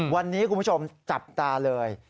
วันนี้คุณผู้ชมจับตาเลย